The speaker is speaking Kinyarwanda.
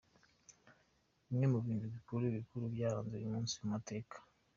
Bimwe mu bintu bikuru bikuru mu byaranze uyu munsi mu mateka .